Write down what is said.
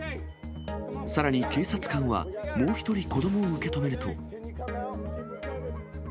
さらに警察官は、もう１人子どもを受け止めると。